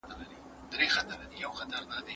چاپیریال د ژوند د دوام لپاره اساسي دی.